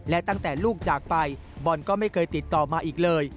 และตั้งแต่ลูกจากไปบอลก็ไม่เคยติดต่อมาอีกเลย